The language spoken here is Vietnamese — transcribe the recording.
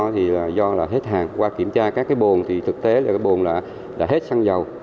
thì do là hết hàng qua kiểm tra các cái bồn thì thực tế là cái bồn là đã hết xăng dầu